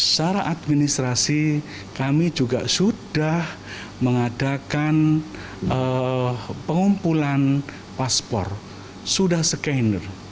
secara administrasi kami juga sudah mengadakan pengumpulan paspor sudah scanner